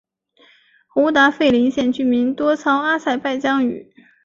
胡达费林县居民多操阿塞拜疆语。